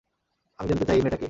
আমি জানতে চাই, এই মেয়েটা কে?